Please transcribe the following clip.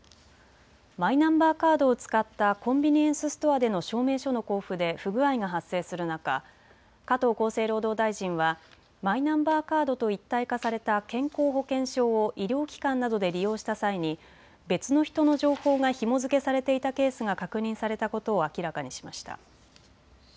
マイナンバーカードを使ったコンビニエンスストアでの証明書の交付で不具合が発生する中、加藤厚生労働大臣はマイナンバーカードと一体化された健康保険証を医療機関などで利用した際に別の人の情報がひも付けされていたケースが確認されたことを明らかにしました。